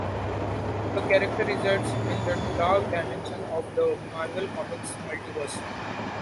The character resides in the "Dark Dimension" of the Marvel Comics multiverse.